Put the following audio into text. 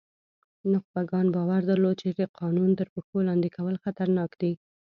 نخبګانو باور درلود چې د قانون تر پښو لاندې کول خطرناک دي.